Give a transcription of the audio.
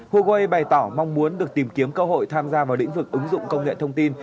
huawei bày tỏ mong muốn được tìm kiếm cơ hội tham gia vào lĩnh vực ứng dụng công nghệ thông tin